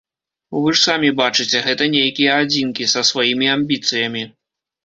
Вы ж самі бачыце, гэта нейкія адзінкі, са сваімі амбіцыямі.